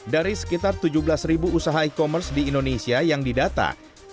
dari sekitar tujuh belas usaha e commerce di indonesia yang didata